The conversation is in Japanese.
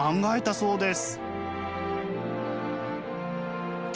そうです。